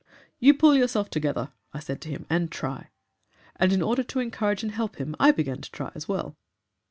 'You pull yourself together,' I said to him, 'and try.' And in order to encourage and help him I began to try as well."